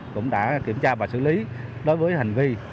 cũng đã kiểm tra và xử lý đối với hành vi